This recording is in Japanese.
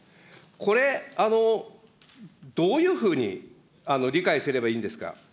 これ、どういうふうに理解すればいいんですか。